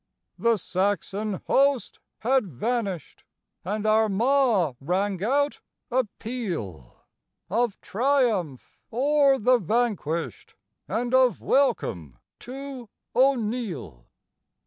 The Saxon host had vanished; and Armagh rang out a peal Of triumph o'er the vanquished, and of welcome to O'Neill.